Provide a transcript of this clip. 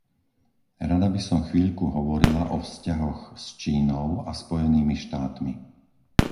Rada by som chvíľku hovorila o vzťahoch s Čínou a Spojenými štátmi.